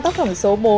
tác phẩm số bốn